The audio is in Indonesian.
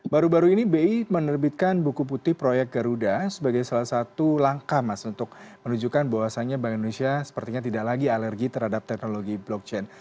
baru baru ini bi menerbitkan buku putih proyek garuda sebagai salah satu langkah mas untuk menunjukkan bahwasannya bank indonesia sepertinya tidak lagi alergi terhadap teknologi blockchain